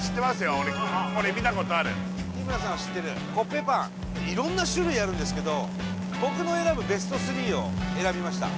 俺見たことある日村さんは知ってるコッペパン色んな種類あるんですけど僕の選ぶＢＥＳＴ３を選びました